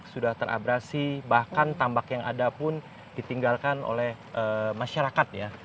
sudah terabrasi bahkan tambak yang ada pun ditinggalkan oleh masyarakat ya